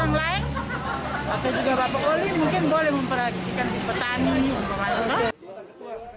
kalau mungkin terjadi orang lain atau juga bapak oli mungkin boleh memperhatikan petani